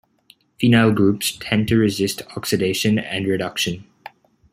Phenyl groups tend to resist oxidation and reduction.